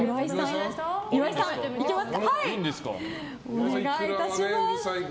岩井さん、いきますか。